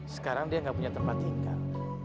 sekarang dia nggak punya tempat tinggal